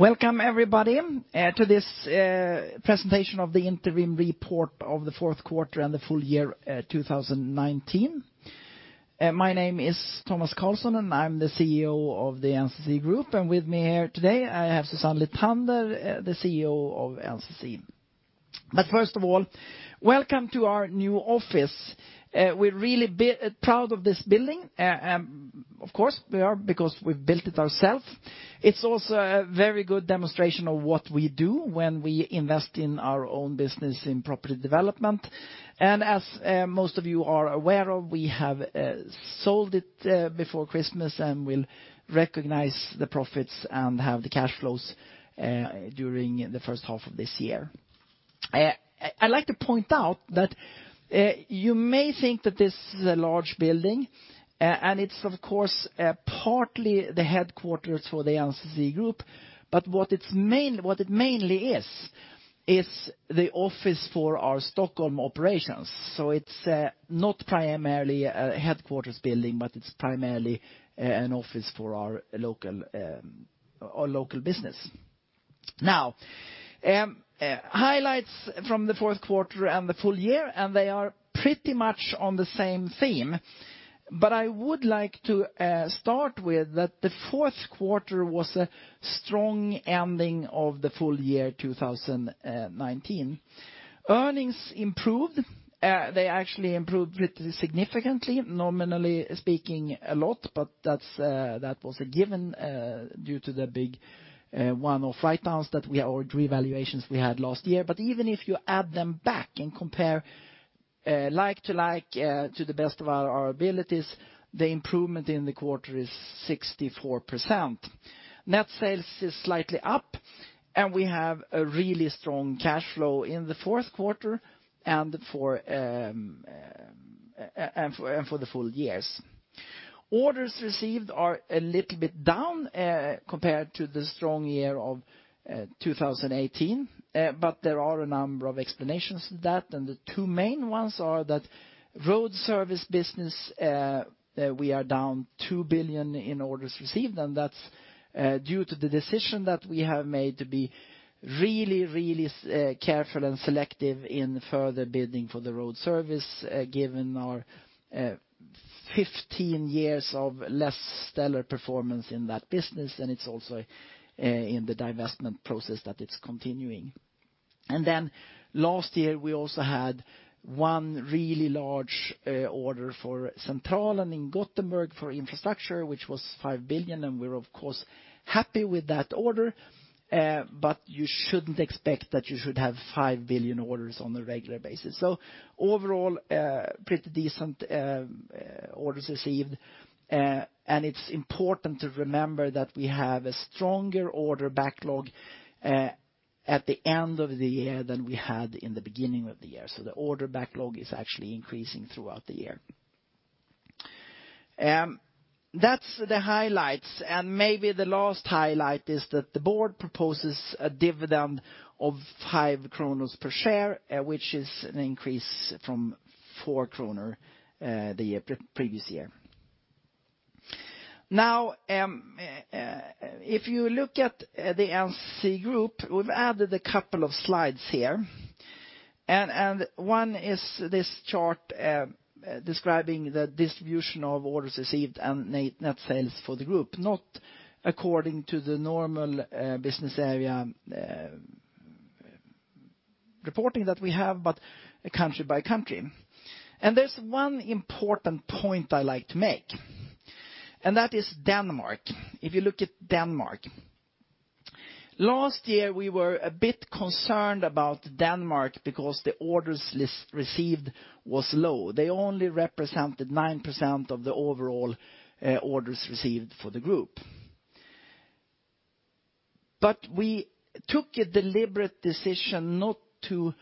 Welcome, everybody, to this presentation of the interim report of the fourth quarter and the full year 2019. My name is Tomas Carlsson, and I'm the CEO of the NCC Group. And with me here today, I have Susanne Lithander, the CFO of NCC. But first of all, welcome to our new office. We're really proud of this building, of course, we are, because we've built it ourself. It's also a very good demonstration of what we do when we invest in our own business in Property Development. And as most of you are aware of, we have sold it before Christmas, and we'll recognize the profits and have the cash flows during the first half of this year. I'd like to point out that you may think that this is a large building, and it's, of course, partly the headquarters for the NCC Group, but what it mainly is, is the office for our Stockholm operations. So it's not primarily a headquarters building, but it's primarily an office for our local, our local business. Now, highlights from the fourth quarter and the full year, and they are pretty much on the same theme. But I would like to start with that the fourth quarter was a strong ending of the full year 2019. Earnings improved. They actually improved pretty significantly, nominally speaking, a lot, but that's that was a given due to the big one-off write-downs that we, or devaluations we had last year. But even if you add them back and compare, like to like, to the best of our abilities, the improvement in the quarter is 64%. Net sales is slightly up, and we have a really strong cash flow in the fourth quarter, and for the full years. Orders received are a little bit down compared to the strong year of 2018, but there are a number of explanations for that, and the two main ones are that road service business, we are down 2 billion in orders received, and that's due to the decision that we have made to be really, really careful and selective in further bidding for the road service, given our 15 years of less stellar performance in that business, and it's also in the divestment process that it's continuing. And then last year, we also had one really large order for Centralen in Gothenburg for Infrastructure, which was 5 billion, and we're of course happy with that order. But you shouldn't expect that you should have 5 billion orders on a regular basis. Overall, pretty decent orders received. It's important to remember that we have a stronger order backlog at the end of the year than we had in the beginning of the year. The order backlog is actually increasing throughout the year. That's the highlights, and maybe the last highlight is that the board proposes a dividend of 5 per share, which is an increase from 4 kronor the previous year. Now, if you look at the NCC Group, we've added a couple of slides here, and one is this chart describing the distribution of orders received and net sales for the group, not according to the normal business area reporting that we have, but country by country. There's one important point I'd like to make, and that is Denmark. If you look at Denmark, last year, we were a bit concerned about Denmark because the orders received was low. They only represented 9% of the overall, orders received for the group. But we took a deliberate decision not to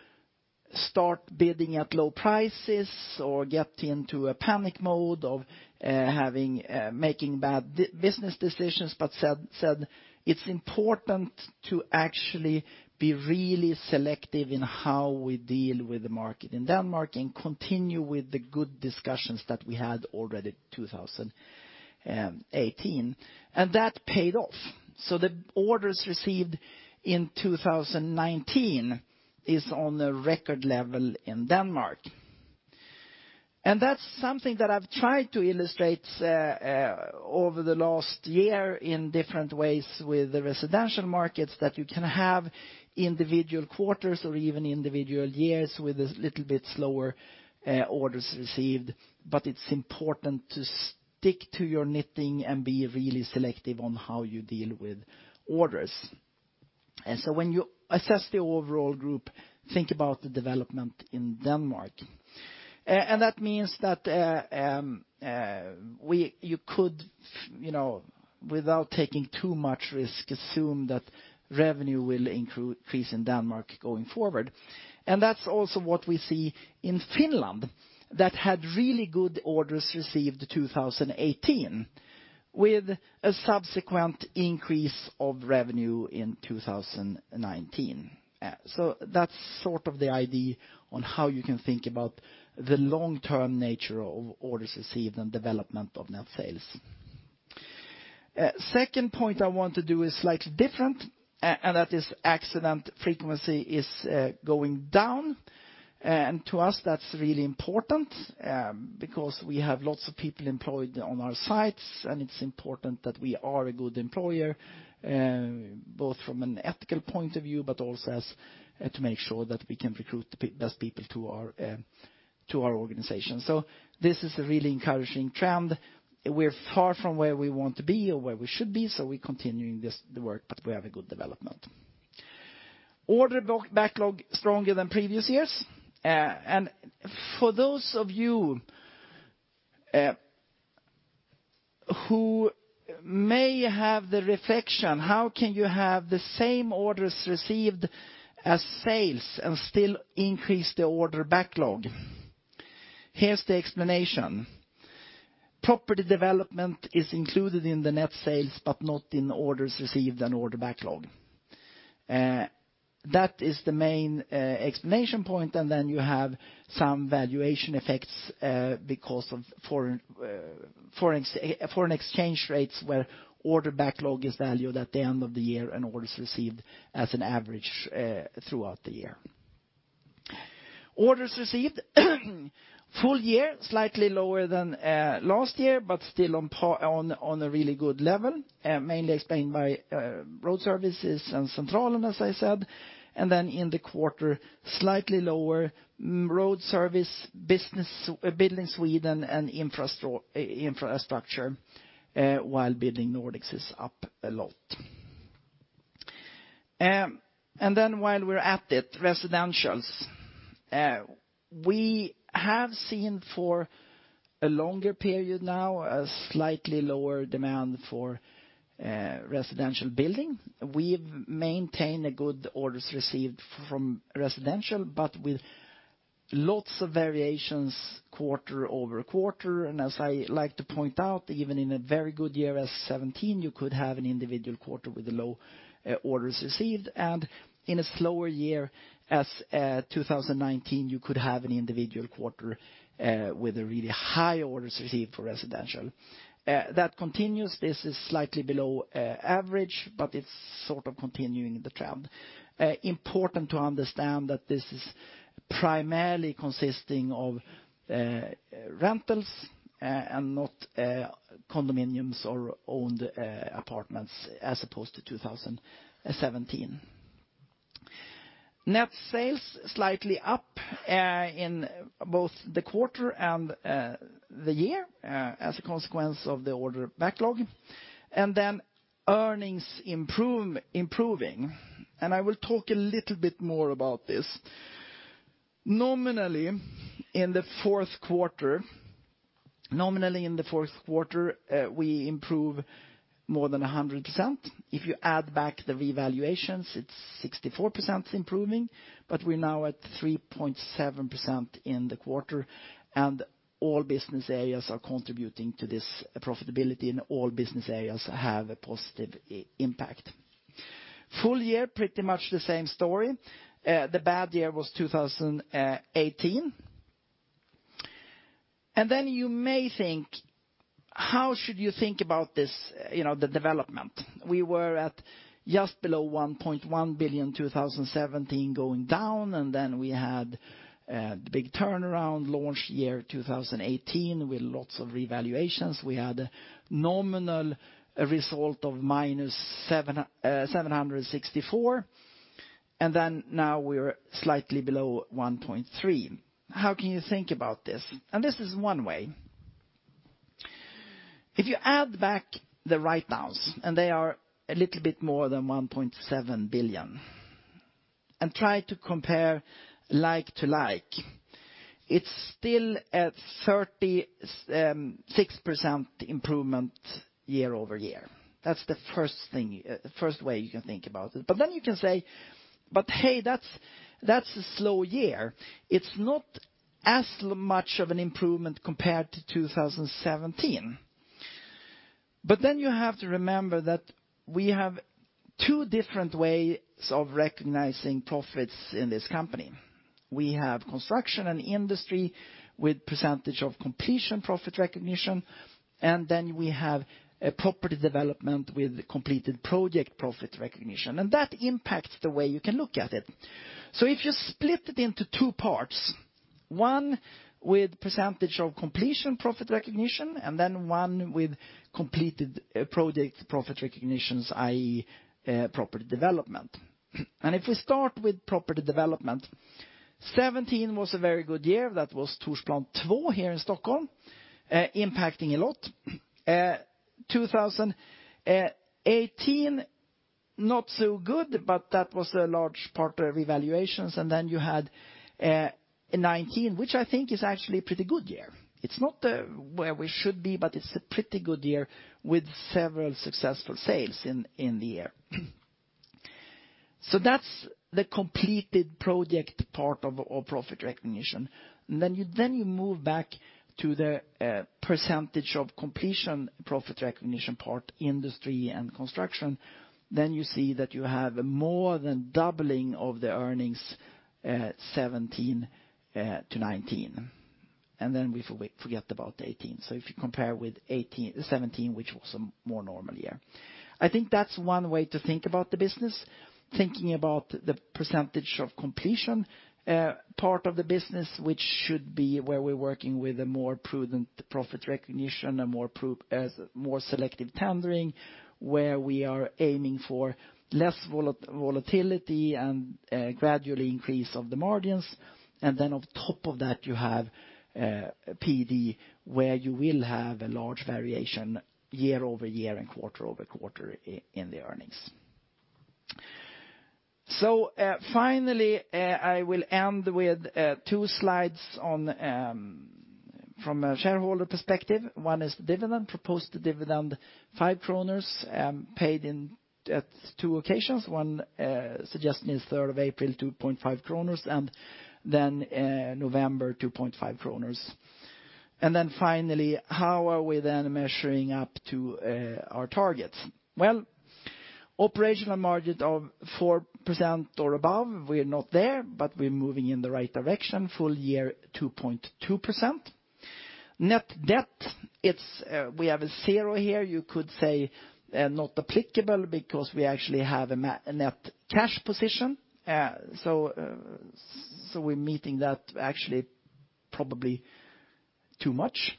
start bidding at low prices or get into a panic mode of, having, making bad business decisions, but said, "It's important to actually be really selective in how we deal with the market in Denmark, and continue with the good discussions that we had already 2018." And that paid off. So the orders received in 2019 is on a record level in Denmark. That's something that I've tried to illustrate over the last year in different ways with the residential markets, that you can have individual quarters or even individual years with a little bit slower orders received, but it's important to stick to your knitting and be really selective on how you deal with orders. So when you assess the overall group, think about the development in Denmark. And that means that you could, you know, without taking too much risk, assume that revenue will increase in Denmark going forward. That's also what we see in Finland, that had really good orders received 2018, with a subsequent increase of revenue in 2019. So that's sort of the idea on how you can think about the long-term nature of orders received and development of net sales. Second point I want to do is slightly different, and that is accident frequency is going down. And to us, that's really important, because we have lots of people employed on our sites, and it's important that we are a good employer, both from an ethical point of view, but also as to make sure that we can recruit the best people to our organization. So this is a really encouraging trend. We're far from where we want to be or where we should be, so we're continuing this, the work, but we have a good development. Order backlog stronger than previous years. And for those of you who may have the reflection, how can you have the same orders received as sales and still increase the order backlog? Here's the explanation. Property development is included in the net sales, but not in the orders received and order backlog. That is the main explanation point, and then you have some valuation effects because of foreign exchange rates, where order backlog is valued at the end of the year, and orders received as an average throughout the year. Orders received, full year, slightly lower than last year, but still on par, on a really good level, mainly explained by Road Services and Centralen, as I said. Then in the quarter, slightly lower, Road Service business - Building Sweden, and infrastructure, while Building Nordics is up a lot. And then while we're at it, Residential. We have seen for a longer period now, a slightly lower demand for residential building. We've maintained a good orders received from Residential, but with lots of variations quarter-over-quarter. And as I like to point out, even in a very good year as 2017, you could have an individual quarter with low orders received. And in a slower year as 2019, you could have an individual quarter with a really high orders received for Residential. That continues. This is slightly below average, but it's sort of continuing the trend. Important to understand that this is primarily consisting of rentals, and not condominiums or owned apartments, as opposed to 2017. Net sales slightly up in both the quarter and the year as a consequence of the order backlog. And then earnings improving, and I will talk a little bit more about this. Nominally, in the fourth quarter, we improve more than 100%. If you add back the revaluations, it's 64% improving, but we're now at 3.7% in the quarter, and all business areas are contributing to this profitability, and all business areas have a positive impact. Full year, pretty much the same story. The bad year was 2018. And then you may think, how should you think about this, you know, the development? We were at just below 1.1 billion in 2017, going down, and then we had the big turnaround, launch year, 2018, with lots of revaluations. We had a nominal result of -764 million, and then now we're slightly below 1.3 billion. How can you think about this? And this is one way. If you add back the write-downs, and they are a little bit more than 1.7 billion, and try to compare like to like, it's still at 36% improvement year-over-year. That's the first thing, first way you can think about it. But then you can say, "But hey, that's, that's a slow year. It's not as much of an improvement compared to 2017." But then you have to remember that we have two different ways of recognizing profits in this company. We have Construction and Industry with Percentage of Completion profit recognition, and then we have a Property Development with completed project profit recognition, and that impacts the way you can look at it. So if you split it into two parts, one with Percentage of Completion profit recognition, and then one with completed project profit recognitions, i.e., Property Development. And if we start with Property Development, 2017 was a very good year. That was Torsplan Två here in Stockholm, impacting a lot. 2018, not so good, but that was a large part of revaluations. And then you had 2019, which I think is actually a pretty good year. It's not where we should be, but it's a pretty good year with several successful sales in the year. So that's the completed project part of our profit recognition. Then you then you move back to the percentage of completion profit recognition part, Industry and Construction. Then you see that you have more than doubling of the earnings 2017 to 2019. And then we forget about 2018. So if you compare with 2018 2017, which was a more normal year. I think that's one way to think about the business, thinking about the percentage of completion part of the business, which should be where we're working with a more prudent profit recognition, more selective tendering, where we are aiming for less volatility and gradually increase of the margins. And then on top of that, you have PD, where you will have a large variation year-over-year and quarter-over-quarter in the earnings. Finally, I will end with 2 slides on from a shareholder perspective. One is dividend, proposed dividend, 5 kronor, paid in at 2 occasions. One, suggesting is 3rd of April, 2.5 kronor, and then, November, 2.5 kronor. And then finally, how are we then measuring up to our targets? Well, operational margin of 4% or above, we're not there, but we're moving in the right direction, full year, 2.2%. Net debt, it's we have a 0 here. You could say, not applicable because we actually have a net cash position. So we're meeting that actually probably too much.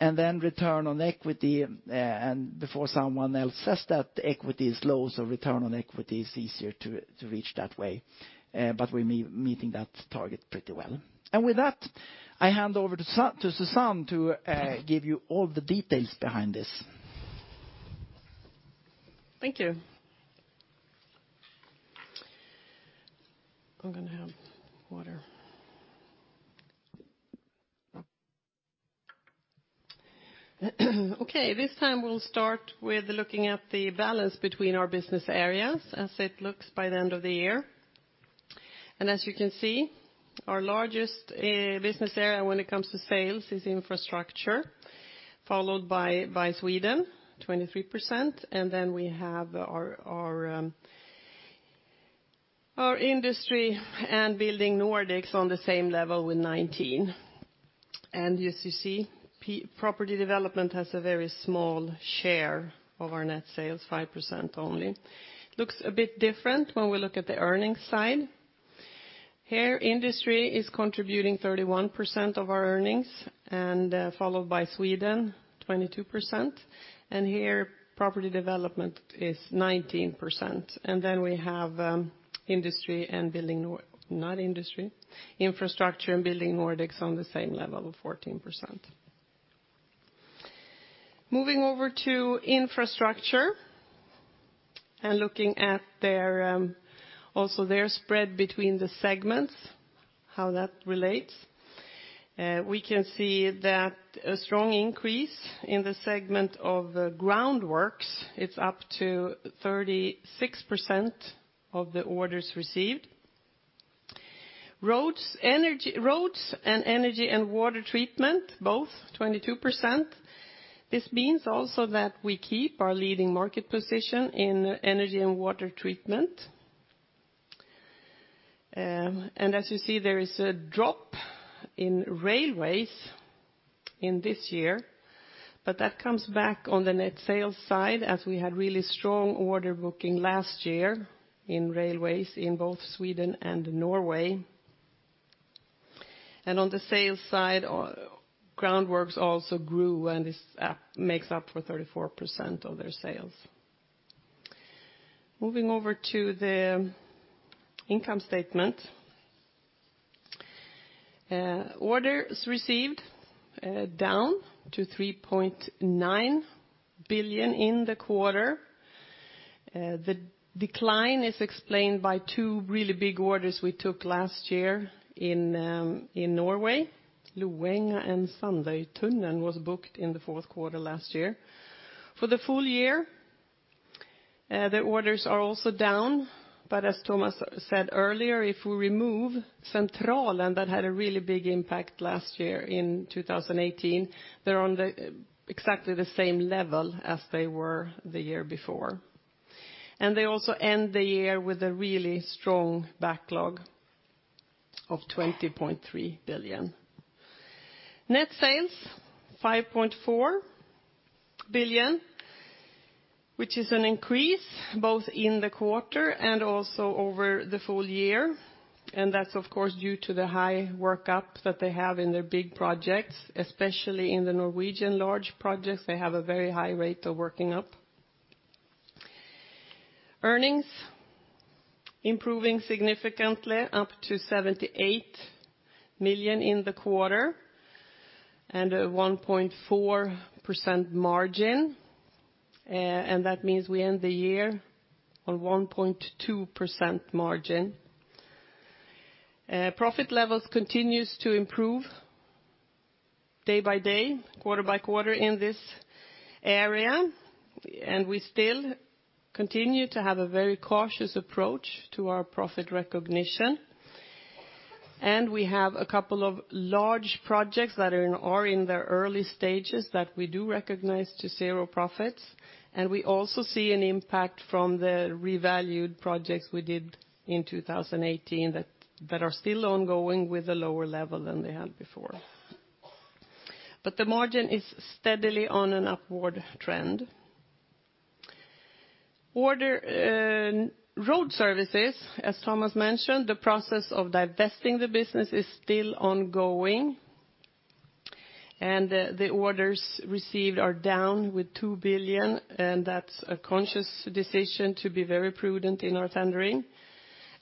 And then return on equity, and before someone else says that the equity is low, so return on equity is easier to reach that way, but we're meeting that target pretty well. With that, I hand over to Susanne to give you all the details behind this. Thank you. I'm gonna have water. Okay, this time we'll start with looking at the balance between our business areas as it looks by the end of the year. As you can see, our largest business area when it comes to sales is Infrastructure, followed by Sweden, 23%, and then we have our industry and Building Nordics on the same level with 19%. As you see, property development has a very small share of our net sales, 5% only. It looks a bit different when we look at the earnings side. Here, industry is contributing 31% of our earnings, followed by Sweden, 22%. And here, property development is 19%. And then we have infrastructure and Building Nordics on the same level of 14%. Moving over to infrastructure, and looking at their also their spread between the segments, how that relates, we can see that a strong increase in the segment of the groundworks, it's up to 36% of the orders received. Roads, energy, roads, and energy and water treatment, both 22%. This means also that we keep our leading market position in energy and water treatment. And as you see, there is a drop in railways in this year, but that comes back on the net sales side, as we had really strong order booking last year in railways in both Sweden and Norway. And on the sales side, groundworks also grew, and this makes up for 34% of their sales. Moving over to the income statement. Orders received down to 3.9 billion in the quarter. The decline is explained by two really big orders we took last year in Norway. Loenga and Sandøytunnelen was booked in the fourth quarter last year. For the full year, the orders are also down, but as Thomas said earlier, if we remove Centralen, that had a really big impact last year in 2018, they're on the exactly the same level as they were the year before. And they also end the year with a really strong backlog of 20.3 billion. Net sales, 5.4 billion, which is an increase both in the quarter and also over the full year. And that's, of course, due to the high workup that they have in their big projects, especially in the Norwegian large projects, they have a very high rate of working up. Earnings, improving significantly, up to 78 million in the quarter, and a 1.4% margin. And that means we end the year on 1.2% margin. Profit levels continues to improve day by day, quarter by quarter in this area, and we still continue to have a very cautious approach to our profit recognition. We have a couple of large projects that are in their early stages that we do recognize to zero profits. We also see an impact from the revalued projects we did in 2018 that are still ongoing with a lower level than they had before. But the margin is steadily on an upward trend. Orders, Road Services, as Tomas mentioned, the process of divesting the business is still ongoing, and the orders received are down with 2 billion, and that's a conscious decision to be very prudent in our tendering.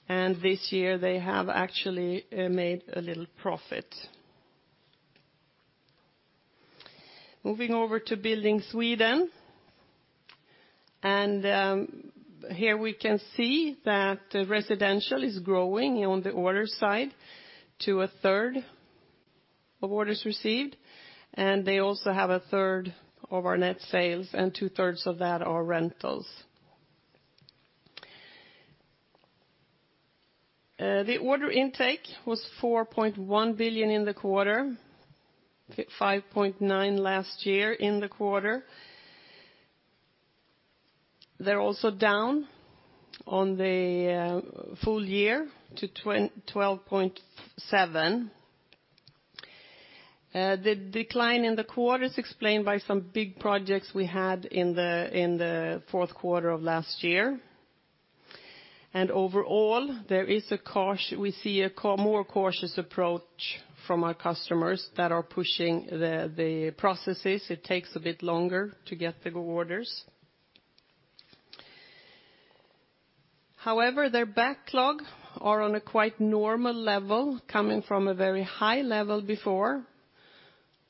This year, they have actually made a little profit. Moving over to Building Sweden, and here we can see that residential is growing on the order side to a third of orders received, and they also have a third of our net sales, and two-thirds of that are rentals. The order intake was 4.1 billion in the quarter, five point nine last year in the quarter. They're also down on the full year to 12.7. The decline in the quarter is explained by some big projects we had in the fourth quarter of last year. Overall, we see a more cautious approach from our customers that are pushing the processes. It takes a bit longer to get the orders. However, their backlog are on a quite normal level, coming from a very high level before,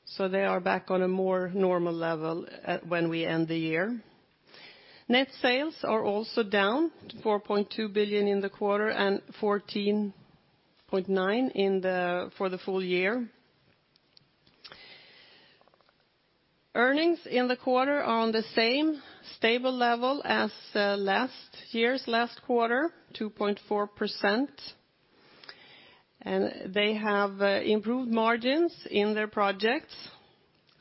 so they are back on a more normal level when we end the year. Net sales are also down to 4.2 billion in the quarter and 14.9 billion for the full year. Earnings in the quarter are on the same stable level as last year's last quarter, 2.4%, and they have improved margins in their projects.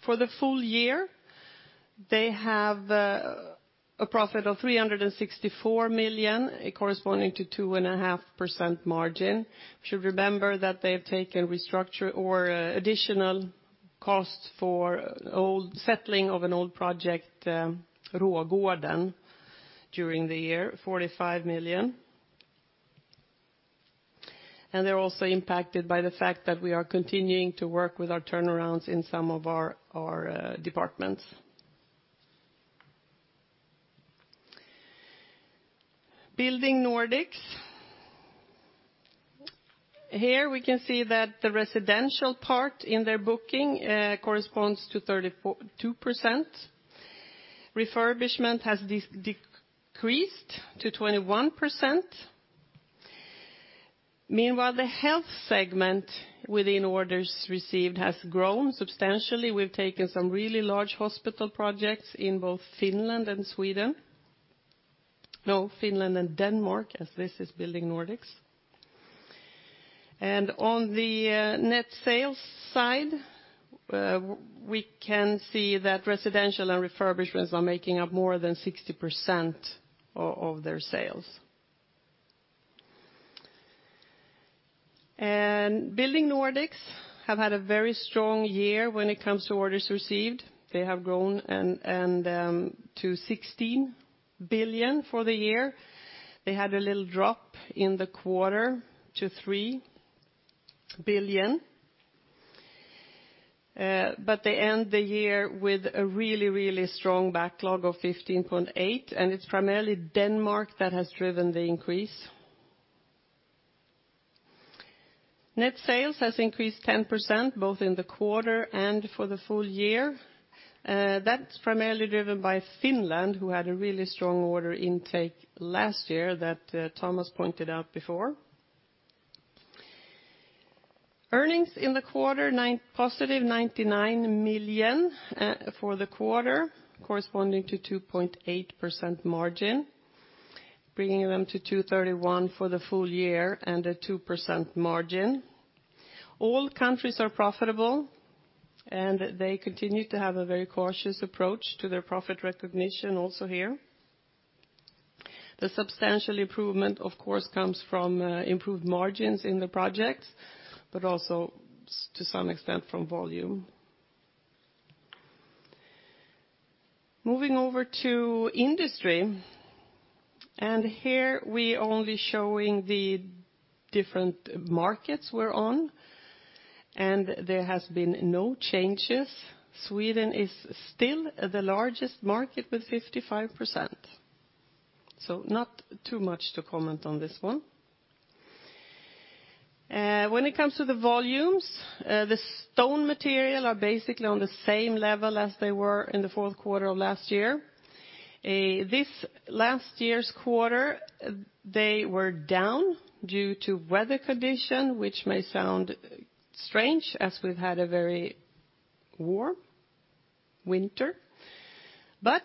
For the full year, they have a profit of 364 million, corresponding to 2.5% margin. We should remember that they have taken restructure or additional costs for old settling of an old project, Rågården, during the year, SEK 45 million. They're also impacted by the fact that we are continuing to work with our turnarounds in some of our departments. Building Nordics. Here, we can see that the residential part in their booking corresponds to 32%. Refurbishment has decreased to 21%. Meanwhile, the health segment within orders received has grown substantially. We've taken some really large hospital projects in both Finland and Sweden. No, Finland and Denmark, as this is Building Nordics. And on the net sales side, we can see that residential and refurbishments are making up more than 60% of their sales. And Building Nordics have had a very strong year when it comes to orders received. They have grown and to 16 billion for the year. They had a little drop in the quarter to 3 billion, but they end the year with a really, really strong backlog of 15.8 billion, and it's primarily Denmark that has driven the increase. Net sales has increased 10%, both in the quarter and for the full year. That's primarily driven by Finland, who had a really strong order intake last year that Tomas pointed out before. Earnings in the quarter positive 99 million for the quarter, corresponding to 2.8% margin, bringing them to 231 million for the full year and a 2% margin. All countries are profitable, and they continue to have a very cautious approach to their profit recognition also here. The substantial improvement, of course, comes from improved margins in the project, but also, to some extent, from volume. Moving over to industry, and here, we only showing the different markets we're on, and there has been no changes. Sweden is still the largest market with 55%, so not too much to comment on this one. When it comes to the volumes, the stone material are basically on the same level as they were in the fourth quarter of last year. This last year's quarter, they were down due to weather condition, which may sound strange, as we've had a very warm winter. But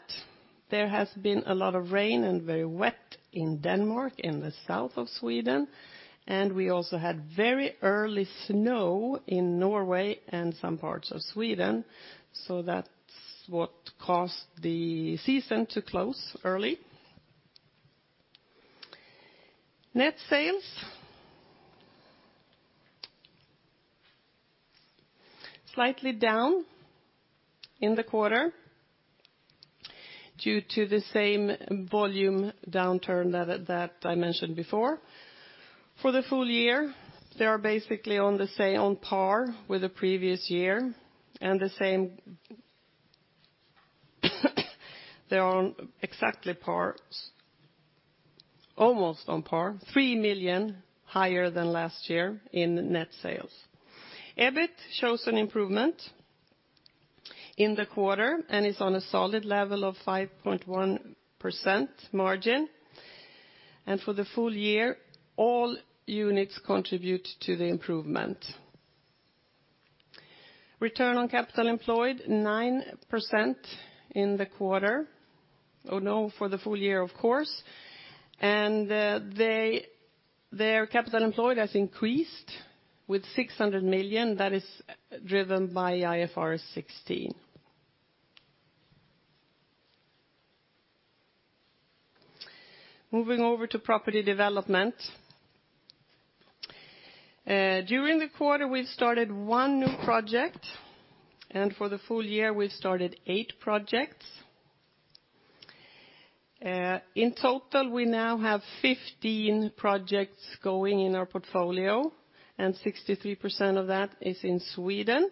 there has been a lot of rain and very wet in Denmark, in the south of Sweden, and we also had very early snow in Norway and some parts of Sweden, so that's what caused the season to close early. Net sales, slightly down in the quarter, due to the same volume downturn that I mentioned before. For the full year, they are basically on the same, on par with the previous year, and the same- they are on exactly par, almost on par, 3 million higher than last year in net sales. EBIT shows an improvement in the quarter, and is on a solid level of 5.1% margin. For the full year, all units contribute to the improvement. Return on capital employed, 9% in the quarter. Oh, no, for the full year, of course. They-- their capital employed has increased with 600 million. That is driven by IFRS 16. Moving over to property development. During the quarter, we've started one new project, and for the full year, we've started eight projects. In total, we now have 15 projects going in our portfolio, and 63% of that is in Sweden.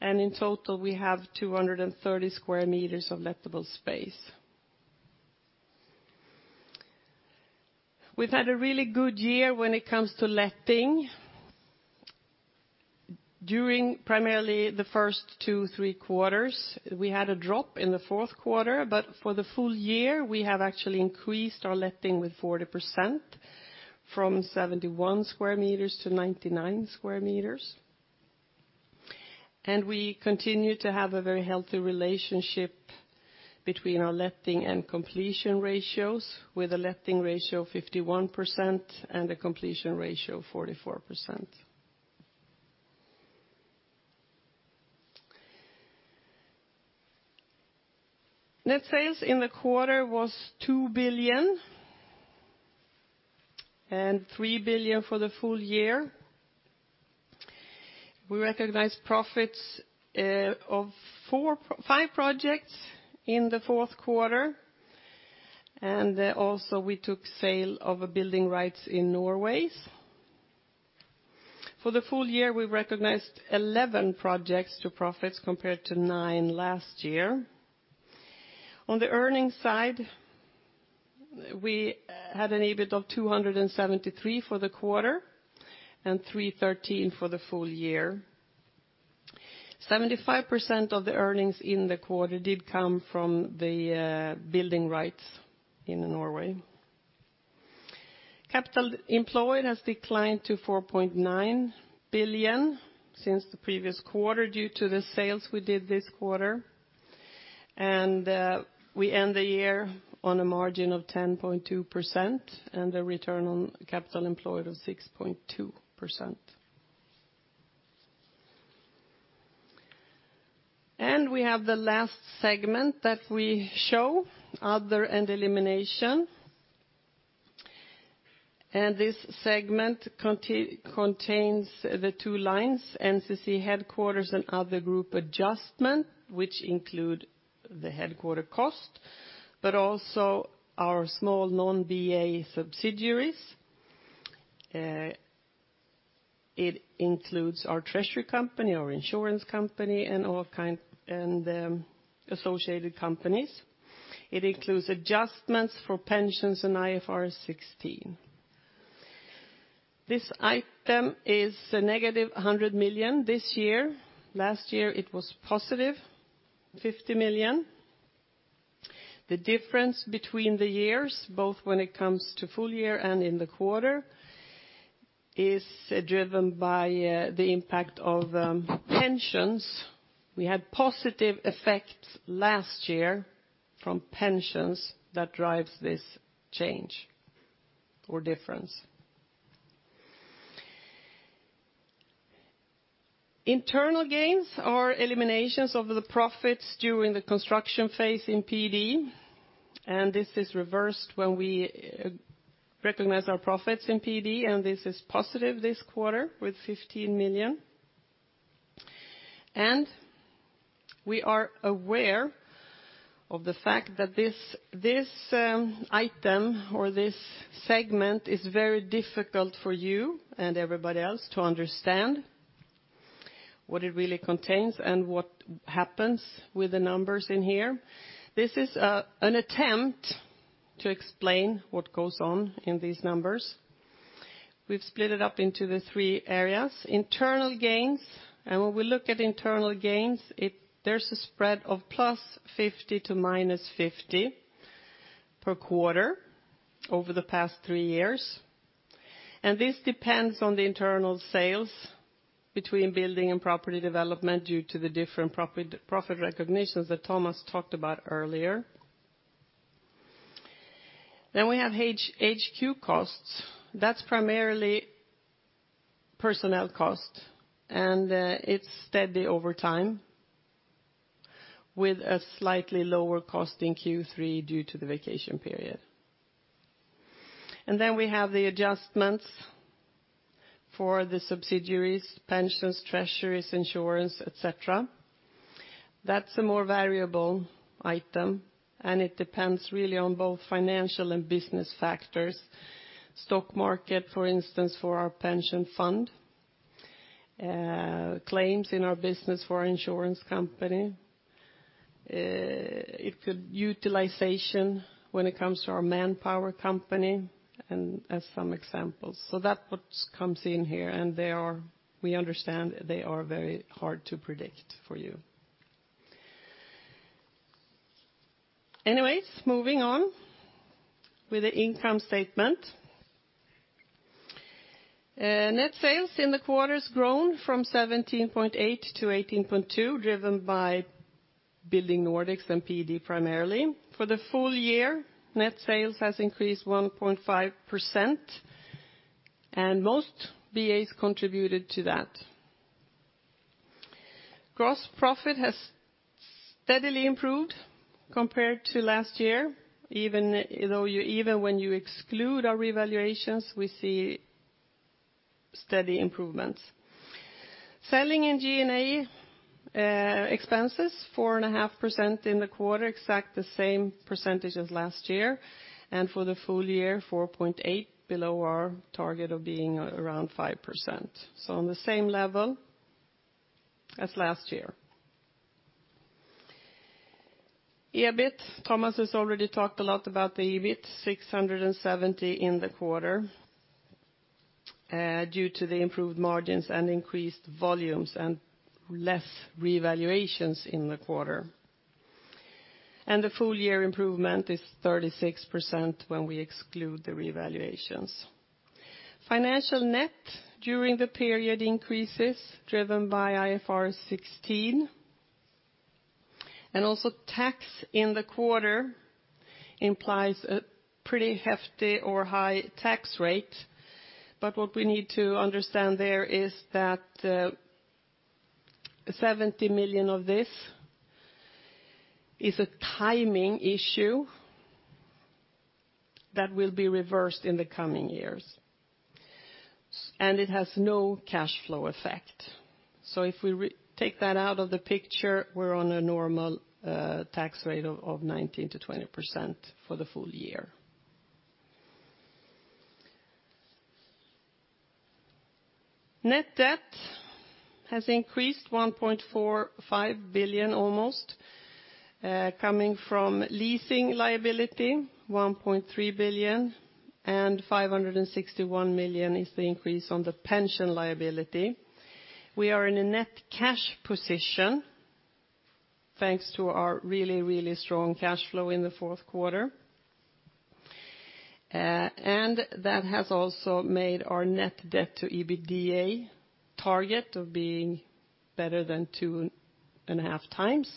In total, we have 230 square meters of lettable space. We've had a really good year when it comes to letting. During primarily the first two, three quarters, we had a drop in the fourth quarter, but for the full year, we have actually increased our letting with 40%, from 71 square meters to 99 square meters. And we continue to have a very healthy relationship between our letting and completion ratios, with a letting ratio of 51% and a completion ratio of 44%. Net sales in the quarter was 2 billion, and 3 billion for the full year. We recognized profits of five projects in the fourth quarter, and also we took sale of building rights in Norway. For the full year, we recognized eleven projects to profits, compared to nine last year. On the earnings side, we had an EBIT of 273 for the quarter, and 313 for the full year. 75% of the earnings in the quarter did come from the building rights in Norway. Capital employed has declined to 4.9 billion since the previous quarter, due to the sales we did this quarter. We end the year on a margin of 10.2%, and a return on capital employed of 6.2%. We have the last segment that we show, other and elimination. This segment contains the two lines, NCC headquarters and other group adjustment, which include the headquarters cost, but also our small non-BA subsidiaries. It includes our treasury company, our insurance company, and all kinds, and associated companies. It includes adjustments for pensions and IFRS 16. This item is -100 million this year. Last year, it was +50 million. The difference between the years, both when it comes to full year and in the quarter, is driven by the impact of pensions. We had positive effects last year from pensions that drives this change or difference. Internal gains are eliminations of the profits during the construction phase in PD, and this is reversed when we recognize our profits in PD, and this is positive this quarter with 15 million. And we are aware of the fact that this item or this segment is very difficult for you and everybody else to understand what it really contains and what happens with the numbers in here. This is an attempt to explain what goes on in these numbers. We've split it up into the three areas. Internal gains, and when we look at internal gains, there's a spread of +50 to -50 per quarter over the past three years, and this depends on the internal sales between building and property development, due to the different profit, profit recognitions that Thomas talked about earlier. Then we have HQ costs. That's primarily personnel costs, and, it's steady over time, with a slightly lower cost in Q3 due to the vacation period. And then we have the adjustments for the subsidiaries, pensions, treasuries, insurance, et cetera. That's a more variable item, and it depends really on both financial and business factors. Stock market, for instance, for our pension fund, claims in our business for our insurance company, it could utilization when it comes to our manpower company, and as some examples. What comes in here, and they are-- we understand they are very hard to predict for you. Anyways, moving on with the income statement. Net sales in the quarter has grown from 17.8 billion to 18.2 billion, driven by Building Nordics and PD primarily. For the full year, net sales has increased 1.5%, and most BAs contributed to that. Gross profit has steadily improved compared to last year, even when you exclude our revaluations, we see steady improvements. Selling and G&A expenses, 4.5% in the quarter, exact the same percentage as last year, and for the full year, 4.8% below our target of being around 5%. On the same level as last year. EBIT, Thomas has already talked a lot about the EBIT, 670 in the quarter, due to the improved margins and increased volumes and less revaluations in the quarter. The full year improvement is 36% when we exclude the revaluations. Financial net during the period increases, driven by IFRS 16. Also, tax in the quarter implies a pretty hefty or high tax rate. What we need to understand there is that 70 million of this is a timing issue that will be reversed in the coming years. It has no cash flow effect. If we take that out of the picture, we're on a normal tax rate of 19%-20% for the full year. Net debt has increased 1.45 billion almost, coming from leasing liability, 1.3 billion, and 561 million is the increase on the pension liability. We are in a net cash position, thanks to our really, really strong cash flow in the fourth quarter. And that has also made our net debt to EBITDA target of being better than 2.5 times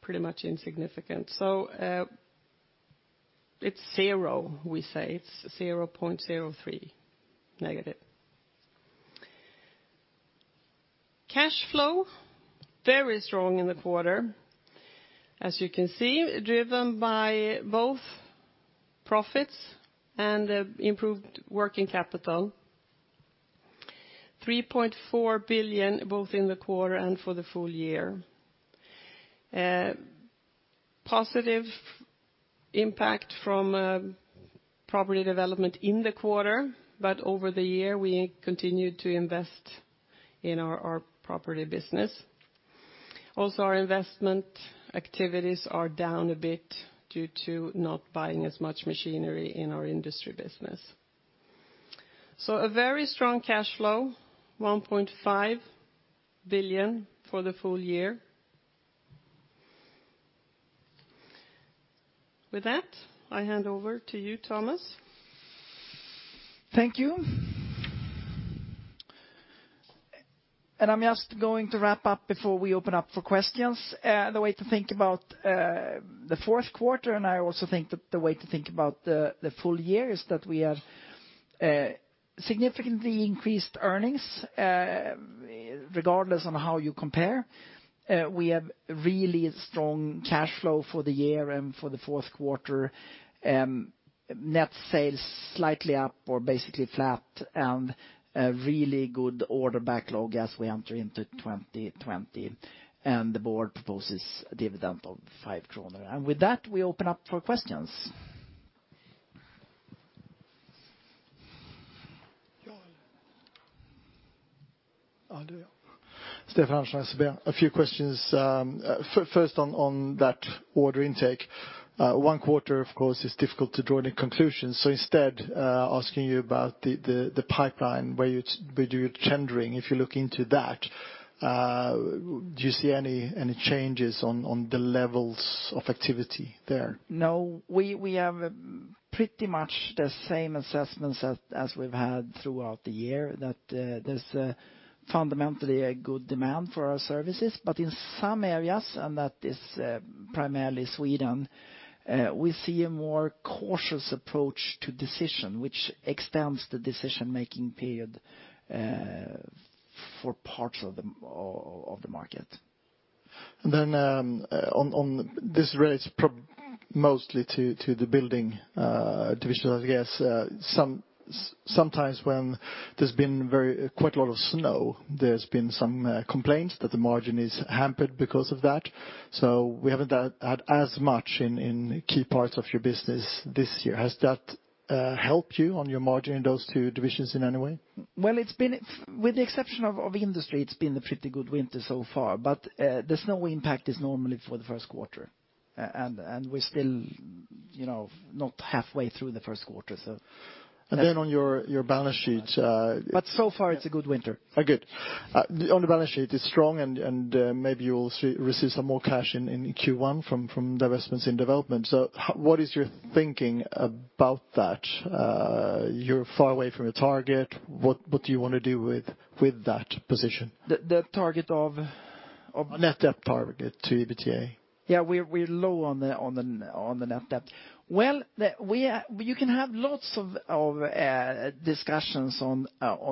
pretty much insignificant. So, it's zero, we say. It's -0.03. Cash flow, very strong in the quarter. As you can see, driven by both profits and improved working capital. 3.4 billion, both in the quarter and for the full year. Positive impact from property development in the quarter, but over the year, we continued to invest in our property business. Also, our investment activities are down a bit due to not buying as much machinery in our industry business. So, a very strong cash flow, 1.5 billion for the full year. With that, I hand over to you, Tomas. Thank you. I'm just going to wrap up before we open up for questions. The way to think about the fourth quarter, and I also think that the way to think about the full year, is that we have significantly increased earnings, regardless on how you compare. We have really strong cash flow for the year and for the fourth quarter. Net sales slightly up or basically flat, and a really good order backlog as we enter into 2020. The board proposes a dividend of 5 kronor. With that, we open up for questions. Stefan Andersson. A few questions. First on that order intake. One quarter, of course, is difficult to draw any conclusions. So instead, asking you about the pipeline, where you're tendering, if you look into that, do you see any changes on the levels of activity there? No, we have pretty much the same assessments as we've had throughout the year, that there's fundamentally a good demand for our services. But in some areas, and that is primarily Sweden, we see a more cautious approach to decision, which extends the decision-making period for parts of the market. ...And then, on this relates mostly to the building division, I guess. Sometimes when there's been very, quite a lot of snow, there's been some complaints that the margin is hampered because of that. So we haven't had as much in key parts of your business this year. Has that helped you on your margin in those two divisions in any way? Well, it's been, with the exception of industry, it's been a pretty good winter so far, but the snow impact is normally for the first quarter. And we're still, you know, not halfway through the first quarter, so- And then on your balance sheet, So far, it's a good winter. Oh, good. On the balance sheet, it's strong, and maybe you will receive some more cash in Q1 from divestments in development. So what is your thinking about that? You're far away from your target. What do you want to do with that position? The target of Net debt target to EBITDA. Yeah, we're low on the net debt. Well, we can have lots of discussions on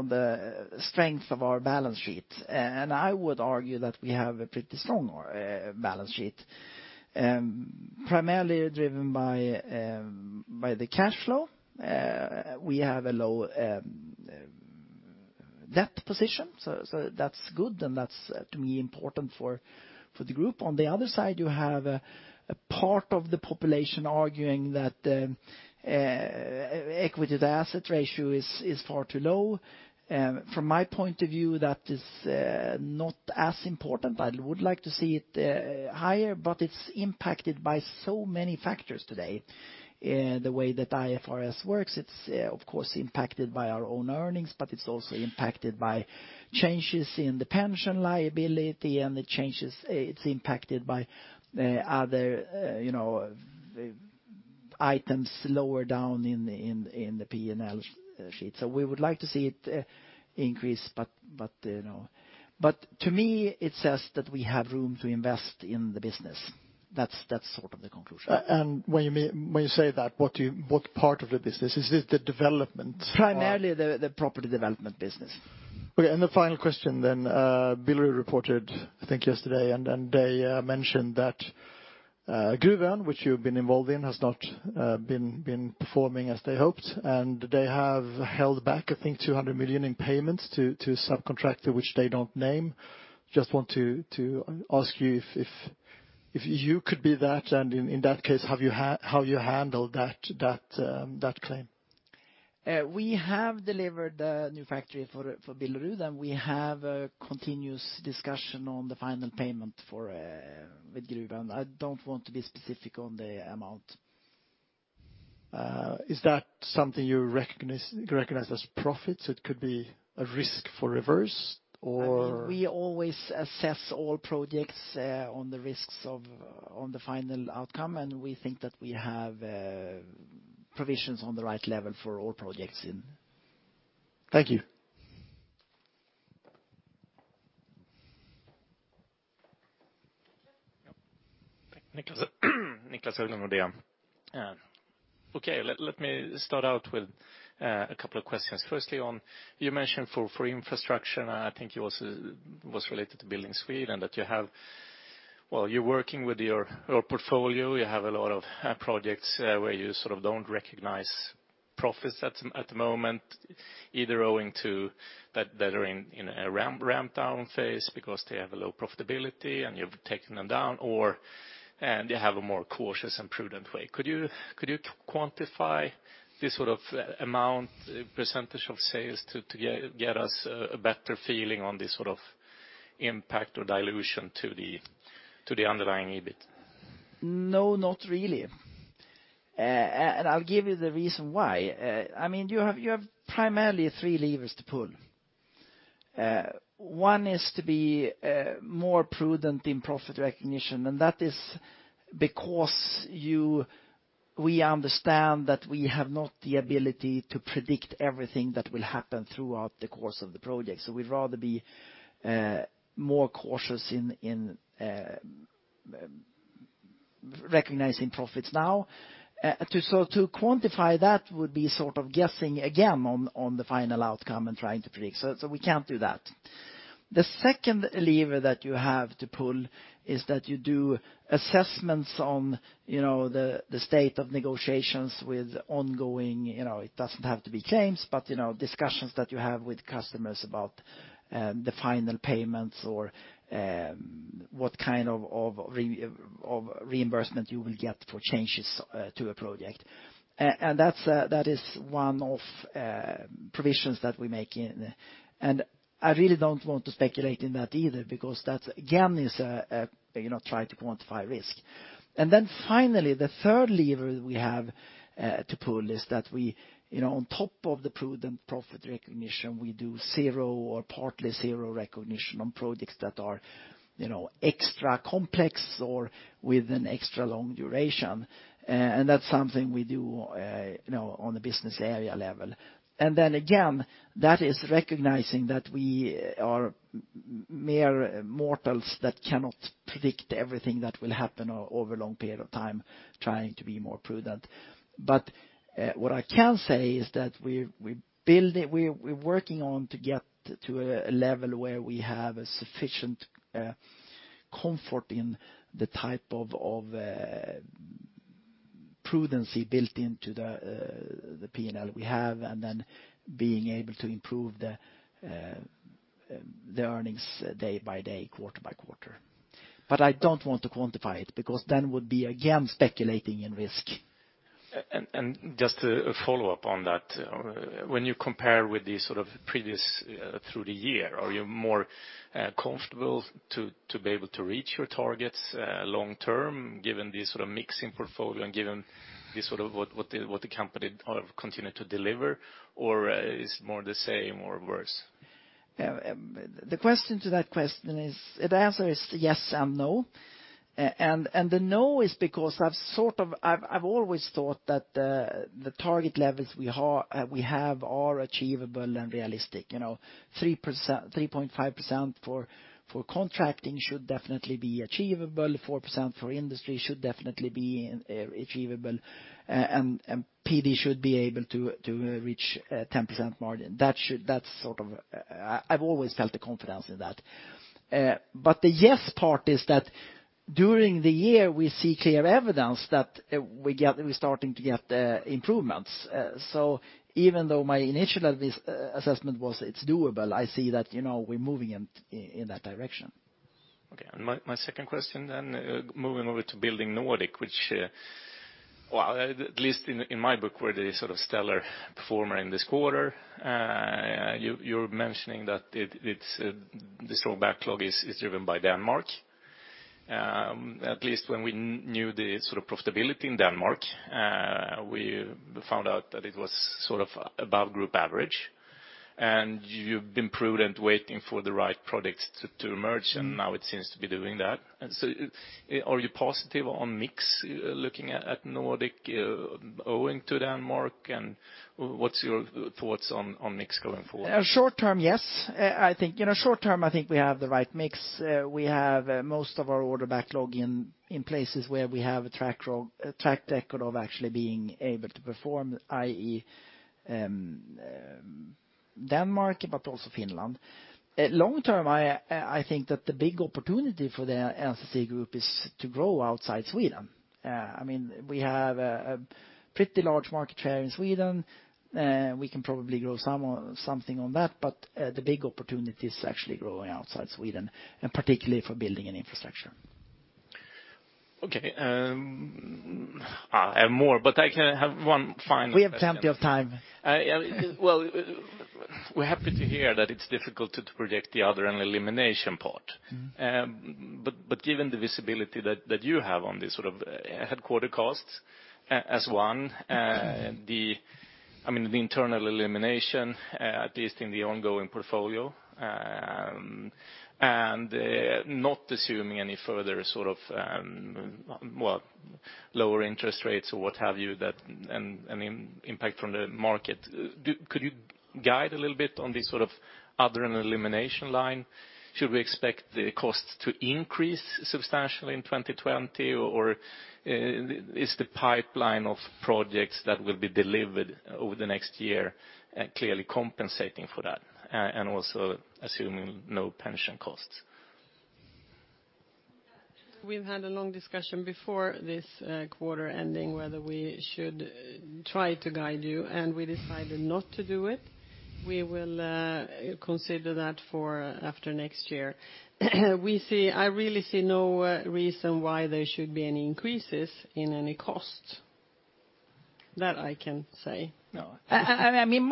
the strength of our balance sheet, and I would argue that we have a pretty strong balance sheet. Primarily driven by the cash flow. We have a low debt position, so that's good, and that's, to me, important for the group. On the other side, you have a part of the population arguing that equity to asset ratio is far too low. From my point of view, that is not as important. I would like to see it higher, but it's impacted by so many factors today. The way that IFRS works, it's, of course, impacted by our own earnings, but it's also impacted by changes in the pension liability and the changes... It's impacted by other, you know, items lower down in the P&L sheet. So we would like to see it increase, but, you know. But to me, it says that we have room to invest in the business. That's sort of the conclusion. When you mean, when you say that, what do you, what part of the business? Is it the development? Primarily the property development business. Okay, and the final question then, Billerud reported, I think, yesterday, and they mentioned that, Gruvön, which you've been involved in, has not been performing as they hoped, and they have held back, I think, 200 million in payments to subcontractor, which they don't name. Just want to ask you if you could be that, and in that case, how you handle that claim? We have delivered the new factory for Billerud, and we have a continuous discussion on the final payment for with Gruvön. I don't want to be specific on the amount. Is that something you recognize as profits? It could be a risk for reverse or- I mean, we always assess all projects on the risks of, on the final outcome, and we think that we have provisions on the right level for all projects in. Thank you. Nicklas, Nicklas Haglund, Nordea. Okay, let me start out with a couple of questions. Firstly, on you mentioned for infrastructure, and I think it was related to Building Sweden, that you have... Well, you're working with your portfolio. You have a lot of projects where you sort of don't recognize profits at the moment, either owing to that, that are in a ramp-down phase because they have a low profitability, and you've taken them down, or, and you have a more cautious and prudent way. Could you quantify this sort of amount, percentage of sales, to get us a better feeling on this sort of impact or dilution to the underlying EBIT? No, not really. I'll give you the reason why. I mean, you have primarily three levers to pull. One is to be more prudent in profit recognition, and that is because we understand that we have not the ability to predict everything that will happen throughout the course of the project. We'd rather be more cautious in recognizing profits now. To quantify that would be sort of guessing again on the final outcome and trying to predict, so we can't do that. The second lever that you have to pull is that you do assessments on, you know, the state of negotiations with ongoing, you know, it doesn't have to be claims, but, you know, discussions that you have with customers about, you know, the final payments or what kind of, of reimbursement you will get for changes to a project. That's, that is one of provisions that we make in. I really don't want to speculate in that either, because that, again, is, you know, trying to quantify risk. Finally, the third lever we have to pull is that we, you know, on top of the prudent profit recognition, we do zero or partly zero recognition on projects that are, you know, extra complex or with an extra long duration. And that's something we do, you know, on the business area level. And then again, that is recognizing that we are mere mortals that cannot predict everything that will happen over a long period of time, trying to be more prudent. But what I can say is that we're building, we're working on to get to a level where we have a sufficient comfort in the type of prudency built into the P&L we have, and then being able to improve the earnings day by day, quarter by quarter. But I don't want to quantify it, because then would be again speculating in risk. Just a follow-up on that. When you compare with the sort of previous through the year, are you more comfortable to be able to reach your targets long term, given the sort of mixing portfolio and given the sort of what the company kind of continue to deliver, or is more the same or worse? The question to that question is the answer is yes and no. And the no is because I've sort of I've always thought that the target levels we have are achievable and realistic. You know, 3%, 3.5% for contracting should definitely be achievable, 4% for industry should definitely be achievable, and PD should be able to reach a 10% margin. That should that's sort of I've always felt the confidence in that. But the yes part is that during the year, we see clear evidence that we're starting to get improvements. So even though my initial assessment was it's doable, I see that, you know, we're moving in that direction. Okay. My second question then, moving over to Building Nordics, which, well, at least in my book, were the sort of stellar performer in this quarter. You're mentioning that it's the strong backlog is driven by Denmark. At least when we knew the sort of profitability in Denmark, we found out that it was sort of above group average, and you've been prudent waiting for the right product to emerge, and now it seems to be doing that. And so, are you positive on mix, looking at Nordic, owing to Denmark, and what's your thoughts on mix going forward? Short term, yes. I think, you know, short term, I think we have the right mix. We have most of our order backlog in, in places where we have a track record of actually being able to perform, i.e., Denmark, but also Finland. At long term, I, I think that the big opportunity for the NCC group is to grow outside Sweden. I mean, we have a pretty large market share in Sweden. We can probably grow something on that, but, the big opportunity is actually growing outside Sweden, and particularly for building and infrastructure. Okay, I have more, but I can have one final question. We have plenty of time. Well, we're happy to hear that it's difficult to predict the other and elimination part. Mm-hmm. But given the visibility that you have on this sort of headquarters costs, as one, Mm-hmm... I mean, the internal elimination, at least in the ongoing portfolio, and not assuming any further sort of, well, lower interest rates or what have you, that and impact from the market, could you guide a little bit on this sort of other and elimination line? Should we expect the costs to increase substantially in 2020, or is the pipeline of projects that will be delivered over the next year clearly compensating for that, and also assuming no pension costs? We've had a long discussion before this quarter ending whether we should try to guide you, and we decided not to do it. We will consider that for after next year. We see. I really see no reason why there should be any increases in any cost. That I can say, no. I mean,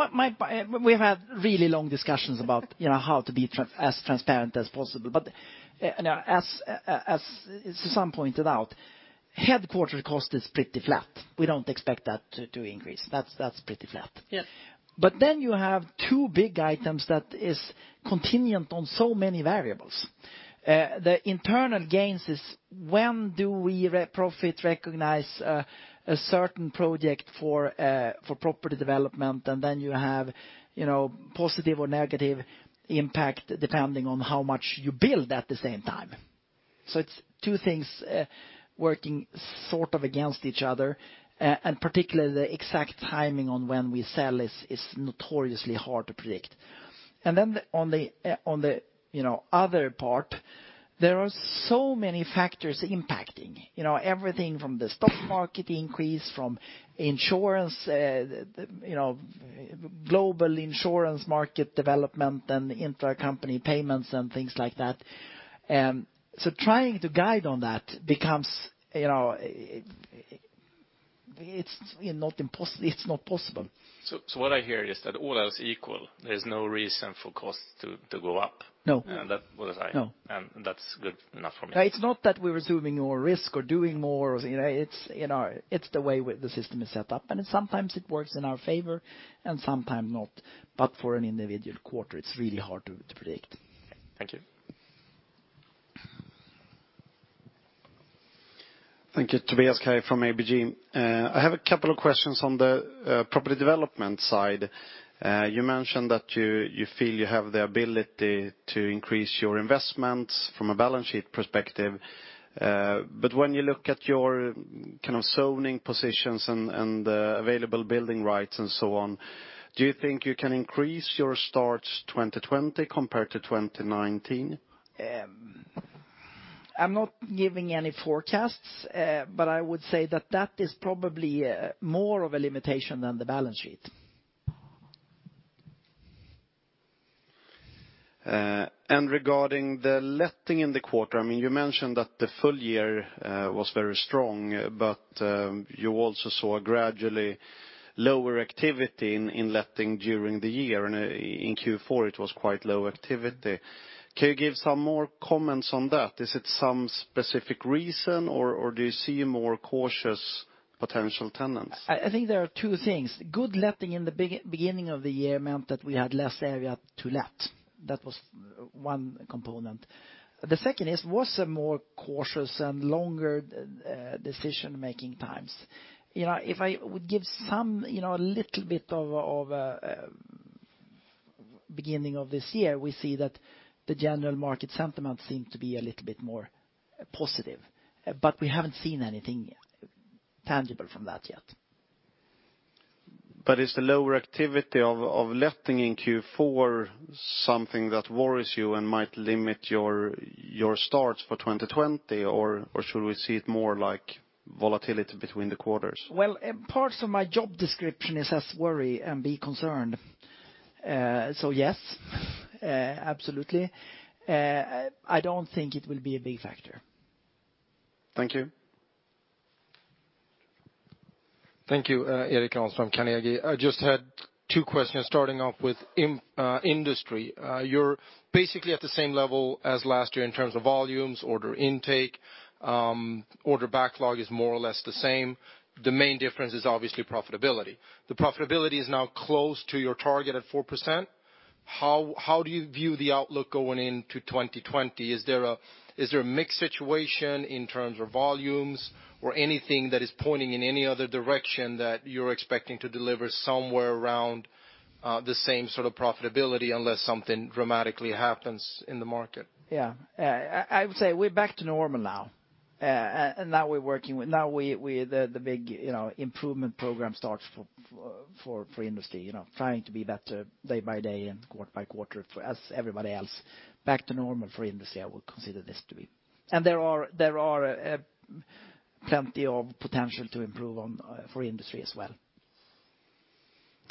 we've had really long discussions about, you know, how to be as transparent as possible. But, you know, as Susanne pointed out, headquarter cost is pretty flat. We don't expect that to increase. That's pretty flat. Yes. But then you have two big items that is contingent on so many variables. The internal gains is when do we recognize profit a certain project for property development? And then you have, you know, positive or negative impact depending on how much you build at the same time. So it's two things working sort of against each other, and particularly the exact timing on when we sell is notoriously hard to predict. And then on the other part, there are so many factors impacting. You know, everything from the stock market increase, from insurance, you know, global insurance market development, and intercompany payments, and things like that. So trying to guide on that becomes, you know, it's not possible. So, what I hear is that all else equal, there's no reason for costs to go up. No. That was. No. That's good enough for me. It's not that we're assuming more risk or doing more, or, you know, it's, you know, it's the way the system is set up, and sometimes it works in our favor and sometimes not. But for an individual quarter, it's really hard to predict. Thank you. Thank you. Tobias Kaj from ABG. I have a couple of questions on the property development side. You mentioned that you feel you have the ability to increase your investments from a balance sheet perspective, but when you look at your kind of zoning positions and available building rights and so on, do you think you can increase your starts 2020 compared to 2019?... I'm not giving any forecasts, but I would say that that is probably more of a limitation than the balance sheet. And regarding the letting in the quarter, I mean, you mentioned that the full year was very strong, but you also saw gradually lower activity in letting during the year, and in Q4, it was quite low activity. Can you give some more comments on that? Is it some specific reason, or do you see more cautious potential tenants? I think there are two things. Good letting in the beginning of the year meant that we had less area to let. That was one component. The second is, was a more cautious and longer decision-making times. You know, if I would give some, you know, a little bit of beginning of this year, we see that the general market sentiment seemed to be a little bit more positive, but we haven't seen anything tangible from that yet. Is the lower activity of letting in Q4 something that worries you and might limit your starts for 2020? Or should we see it more like volatility between the quarters? Well, parts of my job description is as worry and be concerned. So, yes, absolutely. I don't think it will be a big factor. Thank you. Thank you, Eric Orgen, Carnegie. I just had two questions, starting off with industry. You're basically at the same level as last year in terms of volumes, order intake, order backlog is more or less the same. The main difference is obviously profitability. The profitability is now close to your target at 4%. How do you view the outlook going into 2020? Is there a mixed situation in terms of volumes or anything that is pointing in any other direction that you're expecting to deliver somewhere around the same sort of profitability, unless something dramatically happens in the market? Yeah. I would say we're back to normal now. And now we're working with the big, you know, improvement program starts for industry, you know, trying to be better day by day and quarter by quarter as everybody else. Back to normal for industry, I would consider this to be. And there are plenty of potential to improve on for industry as well.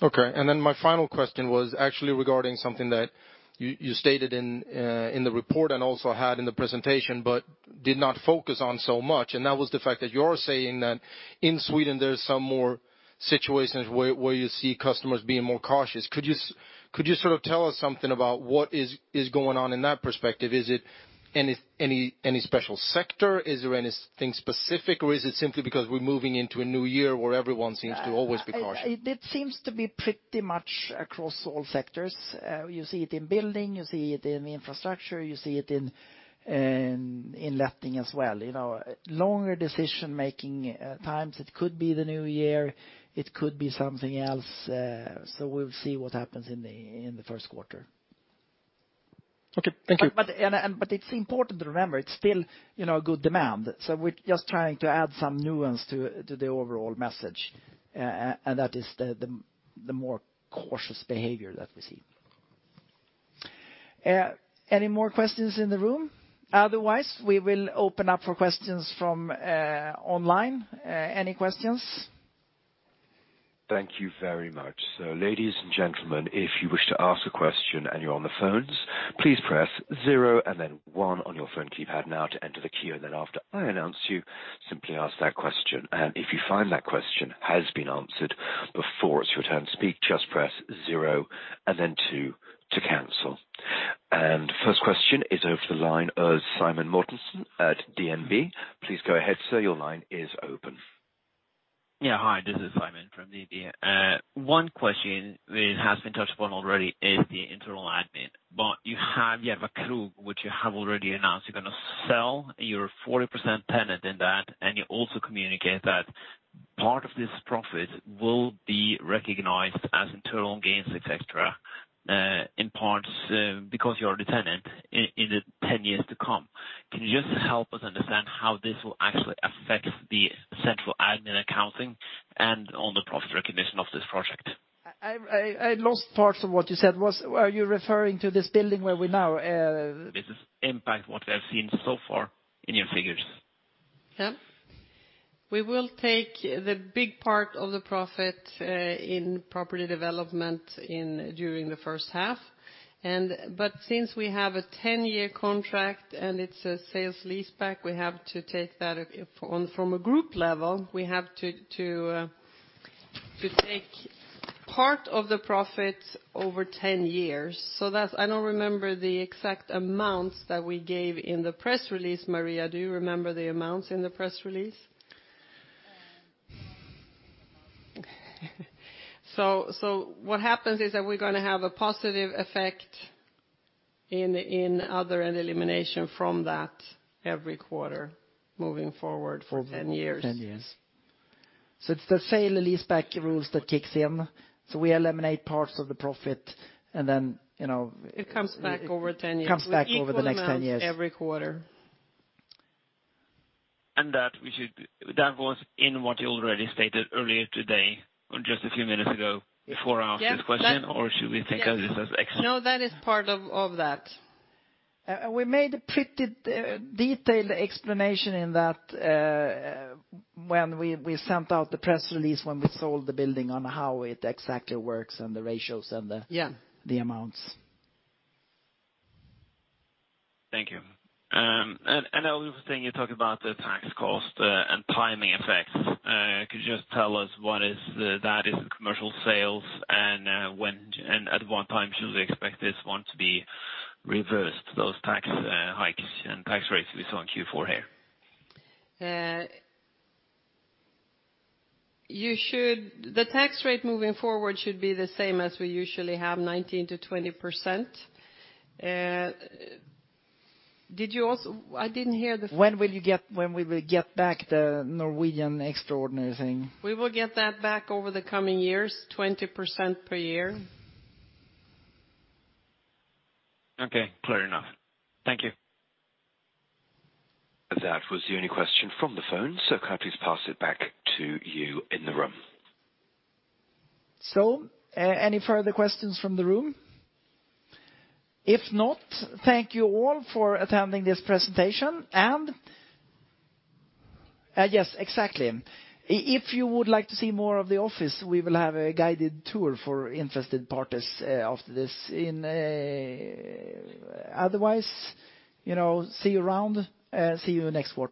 Okay, and then my final question was actually regarding something that you stated in the report and also had in the presentation, but did not focus on so much, and that was the fact that you're saying that in Sweden, there's some more situations where you see customers being more cautious. Could you sort of tell us something about what is going on in that perspective? Is it any special sector? Is there anything specific, or is it simply because we're moving into a new year where everyone seems to always be cautious? It seems to be pretty much across all sectors. You see it in building, you see it in infrastructure, you see it in letting as well. You know, longer decision-making times. It could be the new year, it could be something else, so we'll see what happens in the first quarter. Okay, thank you. But it's important to remember, it's still, you know, a good demand, so we're just trying to add some nuance to the overall message, and that is the more cautious behavior that we see. Any more questions in the room? Otherwise, we will open up for questions from online. Any questions? Thank you very much. So, ladies and gentlemen, if you wish to ask a question and you're on the phones, please press zero and then one on your phone keypad now to enter the queue, and then after I announce you, simply ask that question. And if you find that question has been answered before it's your turn to speak, just press zero and then two to cancel. And first question is over the line of Simen Mortensen at DNB. Please go ahead, sir, your line is open. Yeah, hi, this is Simen from DNB. One question which has been touched upon already is the internal admin, but you have, you have a crew, which you have already announced you're going to sell, you're a 40% tenant in that, and you also communicate that part of this profit will be recognized as internal gains, et cetera, in parts, because you're a tenant in, in the 10 years to come. Can you just help us understand how this will actually affect the central admin accounting and on the profit recognition of this project? I lost parts of what you said. Are you referring to this building where we now? This is impact what we have seen so far in your figures. Yeah. We will take the big part of the profit in property development during the first half, and but since we have a 10-year contract and it's a sales leaseback, we have to take that on from a group level, we have to to take part of the profit over 10 years. So that's... I don't remember the exact amounts that we gave in the press release. Maria, do you remember the amounts in the press release? So, so what happens is that we're gonna have a positive effect in other and elimination from that every quarter, moving forward for 10 years. 10 years. So it's the sale and leaseback rules that kick in. So we eliminate parts of the profit, and then, you know- It comes back over 10 years. It comes back over the next 10 years. We equal amount every quarter. That was in what you already stated earlier today, or just a few minutes ago, before I asked this question. Yes. - or should we think of this as extra? No, that is part of, of that. We made a pretty detailed explanation in that when we sent out the press release, when we sold the building on how it exactly works and the ratios and the- Yeah... the amounts. Thank you. And the other thing you talked about, the tax cost, and timing effects. Could you just tell us what is the, that is commercial sales and, when, and at what time should we expect this one to be reversed, those tax hikes and tax rates we saw in Q4 here? The tax rate moving forward should be the same as we usually have, 19%-20%. Did you also... I didn't hear the- When we will get back the Norwegian extraordinary thing? We will get that back over the coming years, 20% per year. Okay, clear enough. Thank you. That was the only question from the phone, so can I please pass it back to you in the room. So, any further questions from the room? If not, thank you all for attending this presentation. And, yes, exactly. If you would like to see more of the office, we will have a guided tour for interested parties, after this. Otherwise, you know, see you around, see you next quarter.